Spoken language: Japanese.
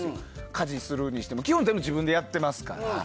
家事するにしても基本自分でやっていますから。